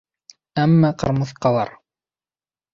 Әммә ҡырмыҫҡалар: